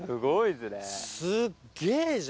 すっげぇじゃん。